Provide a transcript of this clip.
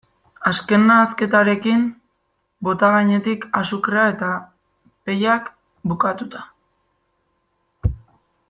Azken nahasketarekin, bota gainetik azukrea eta pellak bukatuta.